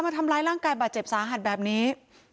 มาทำร้ายร่างกายบาดเจ็บสาหัสแบบนี้